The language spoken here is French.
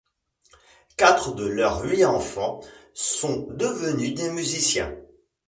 Quatre de leurs huit enfants sont devenus des musiciens.